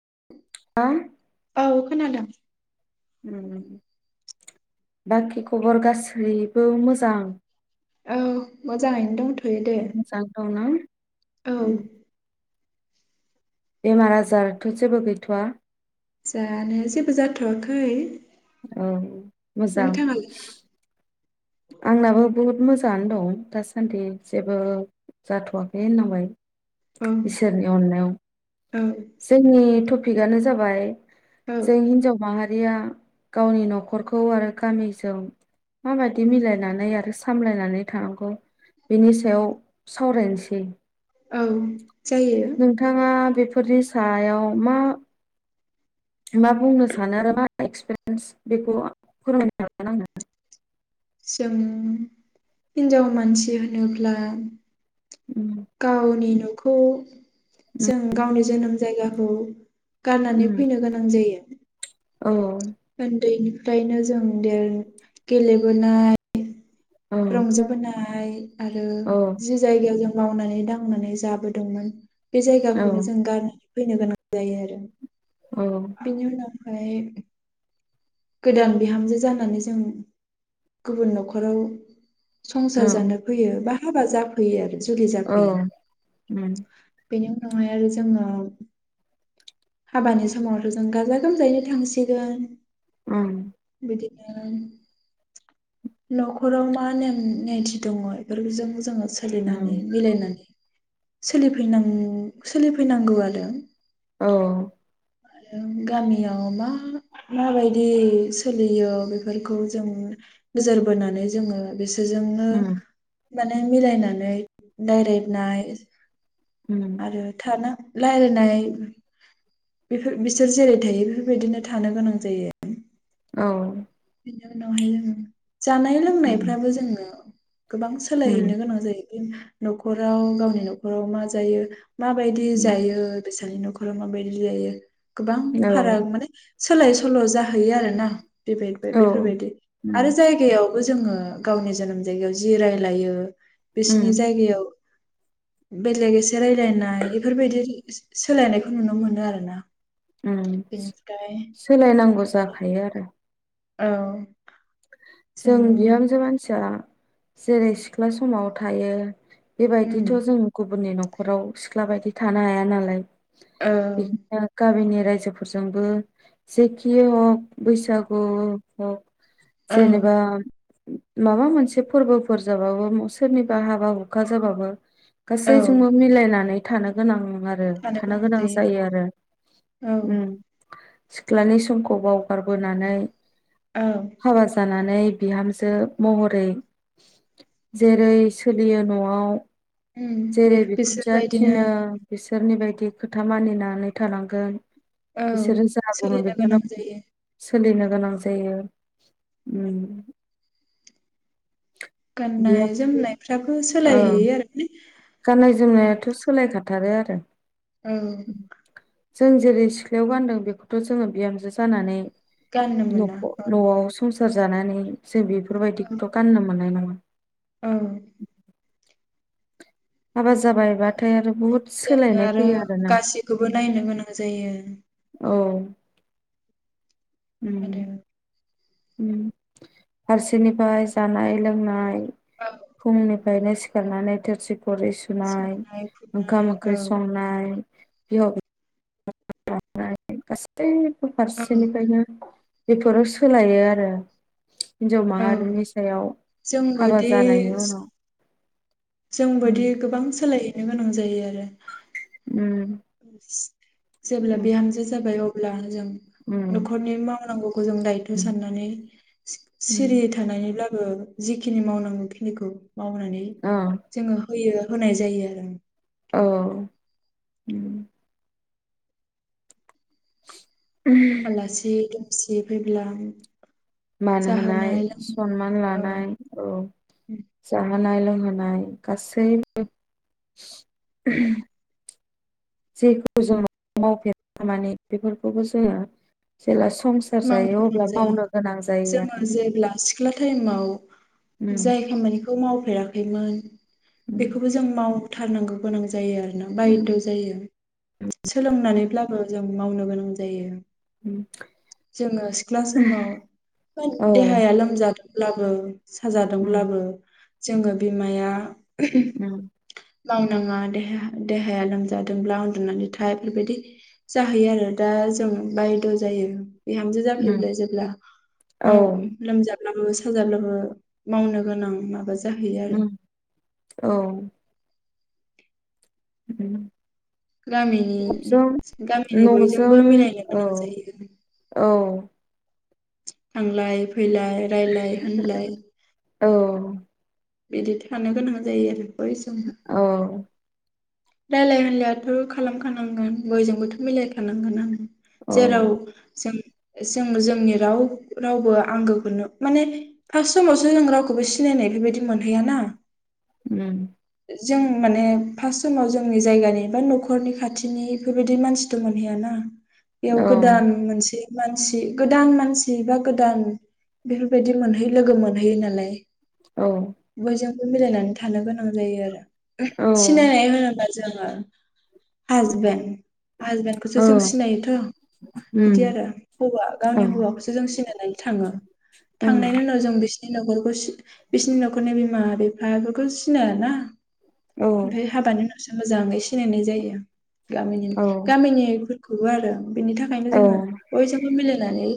[inaudible] [unintelligible] औ खोनादों। उ बाखि खबर गासो बेबो मोजां औ मोजाङैनो दंथ जागावना औ बेमार आजारथ' जेबो गैथ'वा जानाया जेबो जाथ'वाखै औ मोजां नोंथाङालाय आंनाबो बहुत मो जांनो दं दासान्दि जेबो जाथ'वाखै होननांबाय औ इसोरनि अननायाव औ जोंनि टपिकनो जाबाय औ जे हिनाजाव माहा आ गावनि न'खरखौ आरो गामिजों माबाय बिदि मिलायनानै आरो सामलायनानै थानांगौ बिनि सायाव सावरायनोसै औ जायो फोरनि सायाव मा मा बुंनो सानो आरो मा एक्सपिरियेन्स बेखौ फोरमायनो हागोन आंनो जों हिन्जाव मानसि होनोब्ला उम गावनि न' खौ उम जों गावनि जोनोम जायगा औ गारनानै उम फैनो गोनां जायो। औ उन्दैनिफ्रायनो जों देर गेलेबोनाय औ रंजाबोनाय नाय आरो जि जायगायाव जों मावनानै दांनानै जाबोदोंमोन बे औ जायगाखौनो जों गार फैनो गोनां जायो आरो औ बिनि उनाव ओमफ्राय गोदान बिहामजो जानानै जों गुबुन न'खराव औ संसार जानो फैयो बा हाबा जाफैयो आरो जुलि औ जाफैयो उम बेनि उनावहाय आरो जोङो हाबानि समावथ' जों गाजा गोमजायैनो थांसिगोन। उम बिदिनो न'खराव मा नेम निथि दङ बेफोरखौ जोङो उम सोलिनानै मिलायनानै सोलिफैनां सोलिफैनांगौ आरो औ आरो गामियाव मा माबायदि सोलियो बेफोरखौ जों नोजोर बोनानै जोङो बे बेजोंनो उम माने मिलायनानै दायरादनाय उम आरो थाना रायलायनाय बेफोर बिसोर जेरै थायो बेफोरबायदिनो थानो गोनां जायो। औ बेनि उनावहाय जोङो जानाय उम लोंनायफ्राबो जोङो गोबां सोलायहैनो उम गोनां जायो। न'खराव गावनि न'खराव मा जायो। माबायदि उम जायो। फैसानि न'खराव माबायदि जायो। गोबां औ फाराग माने सोलाय सोल' जाहैयो आरोना बे औ बेफोरबायदि आरो उम जायगायाव बो जोङो गावनि जोनोम जायगायाव जि रायलायो बिसिनि उम जायगायाव बेलेग एसे रायलायनाय बेफोरबायदि सोलायनायखौ नुनो मोनो आरो ना। उम सोलायनांगौसो जाखायो आरो औ जों जोङो बिहामजो मानसिया जेरै सिख्ला समाव थायो। उम बेबायदिथ' जों गुबुननि न' न'खराव सिख्ला बायदि थानो हाया नालाय औ बिदिनो काबिनेट रायजोफोरजोंबो जेखि हक बैसागु हक औ जेनेबा माबा मोनसे फोरबोफोर जाबाबो सोरनिबा हाबा हुखा जाबाबो। औ गासैजोंबो मिलायनानै। थानो गोनां आरो थानो गोनां जायो आरो औ उम। सिख्लानि समखौ बावगारबोनानै। औ हाबा जानानै बिहामजो महरै जेरै सोलियो नआव। उम जेरै बे- बिखुनजोआ बिसोरबायदिनो थिनो बिसो। सोरनि बायदि खोथा मानिनानै थानांगोन। औ बिसोरो जा बुङो सोलिनो बेखौनो गोनां जायो। सोलिनो गोनां जायो। उम बेयाव गाननाय जोमनायफ्राबो ओ सोलायहैयो आरो माने। गाननाय जोमनायाथ सोलायखाथ थारो आरो औ। जों जेरै सिख्लायाव गान्दों बेखौथ' जोङो बिहामजो जानानै। गाननो न मोना औ न'आव सोर हो जानानै जे बेफोरबायदिखौथ' गाननो मोननाय नङा। औ हाबा जाबाय बाथाय आरो बुहुद जोङो सोलायनाय फैयो आरो ना। गासैखौबो नायनो गोनां जायो। औ। उम। आरो उम फारसेनिफ्राय जानाय लोंनाय औ खमनि। बायनो सिखारनानै थोरसि खरै सुनाय संनाय खुरनाय ओंखाम औ ओंख्रि संनाय बिहाव बि [unintelligible] गासै फो औ फारसे निफ्रायनो बेफोरो सोलायो आरो। हिनजाव औ माहारिनि सायाव हाबा जोंबोदि जानायनि उनाव उम जोंबोदि गोबां सोलाय नो गोनां जायो आरो। उम [unintelligible] जेब्ला उम बिहामजो जाबाय अब्ला अब्ला जों उम न'खरनि मावनांगौखौ जों दायथ' उम साननानै सिरि उम थानानैब्ला ओ जिखिनि मावनांगौ खिनिखौ मावनानै औ जोङो होयो। होनाय जायो आरो आं औ उम [unintelligible] आलासि दुम एसे फैब्ला मान होनाय जाहोनाय लोंहोनाय सनमान लानाय औ जोन जानाय लोंहोनाय गासैबो [unintelligible] जेखौ जों [unintelligible] मावफेर खामानि बेफोरखौबो जोङो जेला संसार मावनो जायो अब्ला गोनां जायो मावनो गोनां जायो जोङो आरो जेब्ला सिख्ला टाइमाव उम जाय खामानिखौ मावफेराखै। इमोन उम बेखौबो जों माव थारनांगौ गोनां जायो आरो। बायद उम जायो सोलोंनानै ब्लाबो जों मावनो गोनां जायो। [inaudible] जोङो सिख्ला समाव औ देहाया लोमजा। लाबो उम साजादोंब्लाबो जोङो बिमाया उम बांनाङा देह-देहाया लोमजादोंब्ला उन्दुनानै था बेफोरबायदि जाहैयो आरो दा जों बायद जायो। बिहामजो उम जाफैब्ला जेब्ला औ माव-लोमजा। बाबो साजाला मावनो गोनां माबा। जाहैयो आरो उम औ [unintelligible] गामिनि न'जों गामिनि बयजोंबो न'जों मिलायनो औ गोनां जायो। औ थांलाय फैलाय रायलाय होनलाय औ। बिदि थानो गोनां जायो आरो। औ। रायजलाय होनलायाथ' खालामखानांगोन बयजोंबोथ' मिलायखानांगोन आं। औ जेराव जों जों जोंनि राव रावबो आंगोखौनो माने फार्स्ट समावसो जों रावखौबो सिनायनाय बेबायदि मोनहैयाना। उम। जों माने फार्स्ट समाव जोंनि जायगानि बा न'खरनि खाथिनि बेफोरबायदि मानसिथ मोनहैयाना। औ बेयाव गोदान मोनसे। मानसि गोदान मानसि बा गोदान बेफोरबायदि मोनहैयो लोगो मोनहैयो नालाय। औ। बयजोंबो मिलायनानै थानो गोनां जायो आरो। औ सिनायनाय जोङो हासबेन्ड हासबेन्डखौसो जों सिनायोथ' उम औ बिदि उम आरो हौवा गावनि हौवाखौसो जों सिनायनानै थाङो थांनायनि उनाव जों बिसि बिनि न'खरखौ सि बिसिनि न'खरनि बिमा बिफा बेफोरखौ सिनाय ना औ ओमफाय हाबानि सो मोजाङै सिनायनाय जायो। गामिनि गामिनिफो खौबो आरो बिनि थाखायनो औ जोङो बयजोंबो मिलायनानै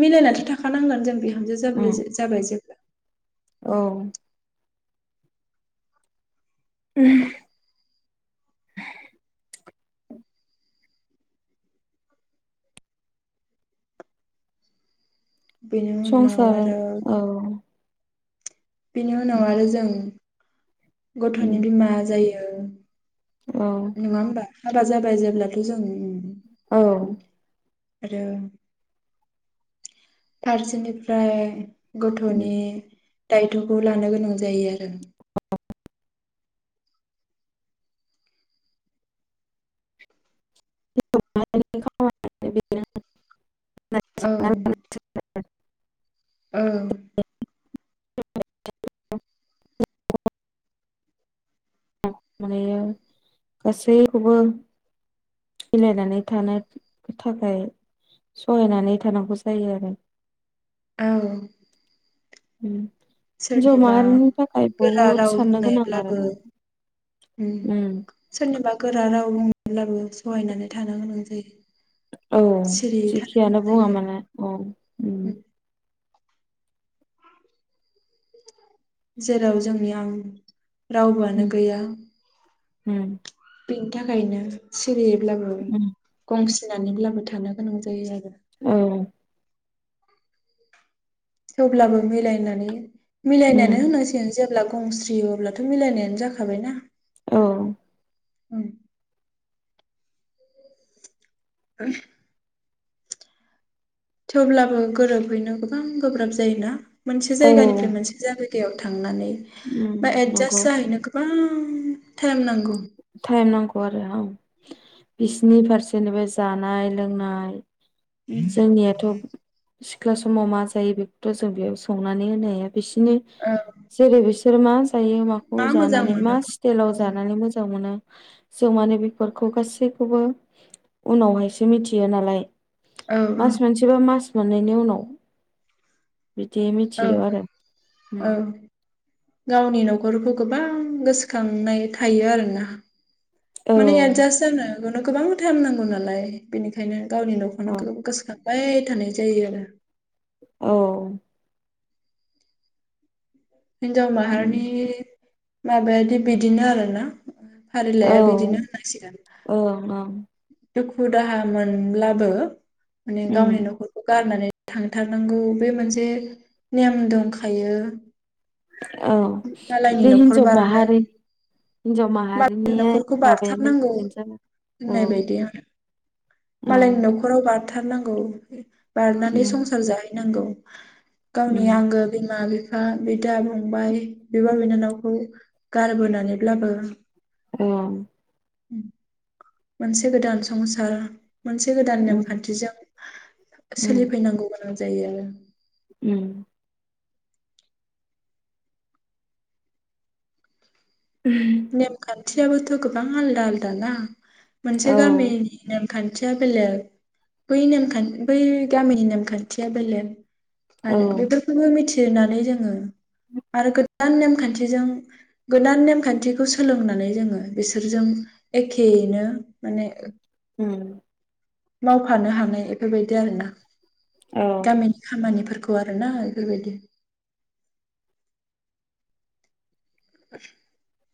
मिलायनाथ' थाखा नांगोन जों बिहामजो जाबलाय उम जाबाय जेनेबा औ। उम। बेनि उनाव संसार आरो औ बेनि उम उनाव आरो जों गथ'नि उम बिमा जायो औ। औ नङा होमबा हाबा जाबाय जेब्लाथ' जों औ आरो फारसेनिफ्राय गथ'नि दायथ'खौ लानो गोनां जायो आरो [unintelligible] [unintelligible] औ। [inaudible] औ [unintelligible] माने गासैखौबो मिलायनानै थानो थाखाय सहायनानै थानांगौ जायो आरो औ। उम। हिनजाव सोरनिबा माहारिनि थाखाय गोरा बहुद राव साननो गोनां आरो बुंनायब्लाबो ना। उम सोरनिबा गोरा रा राव बुंब्लाबो सहायनानै थानो गोनां जायो। औ सिरियै थानो जेखियानो गोनां बुङा जायो आरो मानो औ उम। जेराव जोंनि आं रावबोआनो गैया। होम। बेनि थाखायनो सिरियैब्लाबो उम गंस नानैब्लाबो थानो गोनां जायो आरो औ। थेवब्लाबो मिलायनानै मिलायनानो उम होनांसिगोन जेब्ला गंस्रियो अब्लाथ' मिलायनायानो जाखाबाय ना। औ। ओं। [inaudible] थेवब्लाबो गोरोबहैनो गोबां गोब्राब जायो ना। मोनसे औ जायगानिफ्राय उम मोनसे जागै दैयाव थांनानै बा नंगौ एदजास जाहैनो गोबां थाइम नांगौ। थाइम नांगौ आरो औ। बिसिनि फारसेनिबो जानाय लोंनाय जोंनियाथ' सिख्ला समाव मा जायो बेखौथ' जों बेयाव संनानै होनो हाया। बिसोरनि औ जेरै बिस सोर मास जायो माखौ मा मोजां जानानै मा मोनो स्टाइलाव औ जानानै मो मोनो जों माने बेफोरखौ गासैखौबो उनावहायसो मिथियो नालाय औ औ मास मोनसेबा मास मोननायनि उनाव बिदि औ मिथियो आरो ओम औ गावनि न'खरखौ गोबां गोसोखांनाय थायो आरोना औ माने एजास जानो बेनो गोबांथाइम नांगौ नालाय बेनिखायनो गावनि औ न'खौनो गोसोखां बाय थानाय जायो आरो औ। हिन्जाव माहारिनि माबायादि बिदिनो आरोना फारिलाइआ बिदिनो औ होननांसिगोन औ औ दुखु दाहा मोनब्लाबो माने उम गावनि न'खरखौ गारनानै थांथारनांगौ बे मोनसे नेम दंखायो औ मालायनि बे न'खर हिनजाव बारनाय माहारि हिनजाव माहारिनि मालायनि न'खरखौ माबायानो बारथारनांगौ बिदिनो जाबाय औ औ मालनि न'राव बा बारथारनांगौ बारनानै उम संसार जाहैनांगौ [inaudible] गावनि उम आंगो बिमा बि बिफा बिदा फंबाय बिब'-बिनानावखौ गारबोनानैब्लाबो औ। मोनसे गोदान संसार मोनसे गोदान उम नेमखान्थिजों सोलिफैनांगौ जायो आरो ओम नेमखान थियाबोथ' गोबां आलदा आलदा ना औ मोनसे गामिनि नेम खान्थिया बेलेग बै नेमखान्थि बै गामिनि नेमखान्थिया बेलेग औ आरो बेफोरखौबो मि नानै जोङो आरो गोदान नेमखान्थिजों गोदान नेमखान्थि खौ सोलोंनानै जोङो बिसोरजों एखेयैनो माने उम मावफानो हानाय बेफोरबायदि आरोना। औ गामिनि खामानिफोरखौ आरोना बेफोरबायदि [inaudible]